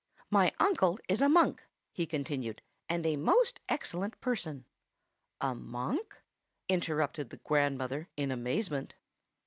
"My uncle is a Munk," he continued, "and a most excellent person." "A monk?" interrupted the grandmother in amazement.